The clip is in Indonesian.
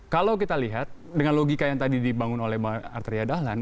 kalau kita lihat dengan logika yang tadi dibangun oleh arteria dahlan